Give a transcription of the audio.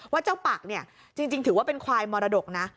เจ้าปักเนี่ยจริงถือว่าเป็นควายมรดกนะ